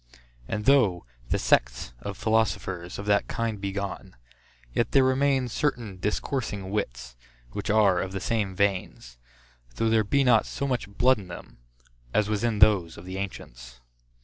And though the sects of philosophers of that kind be gone, yet there remain certain discoursing wits, which are of the same veins, though there be not so much blood in them, as was in those of the ancients.